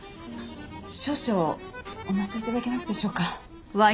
少々お待ち頂けますでしょうか？